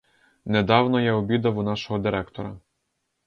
Недавно я обідав у нашого директора.